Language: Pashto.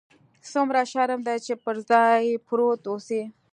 څومره شرم دى چې پر ځاى پروت اوسې.